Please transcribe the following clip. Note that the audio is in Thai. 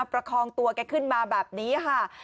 ประคองตัวแกขึ้นมาแบบนี้ค่ะ